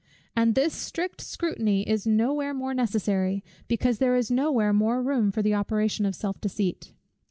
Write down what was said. And this strict scrutiny is no where more necessary, because there is no where more room for the operation of self deceit.